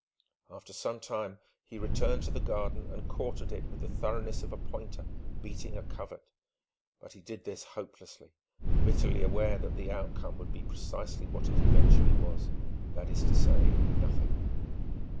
After some time he returned to the garden and quartered it with the thoroughness of a pointer beating a covert. But he did this hopelessly, bitterly aware that the outcome would be precisely what it eventually was, that is to say, nothing....